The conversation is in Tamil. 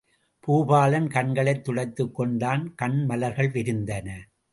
பூபாலன் கண்களைத் துடைத்துக் கொண்டான் கண் மலர்கள் விரிந்தன.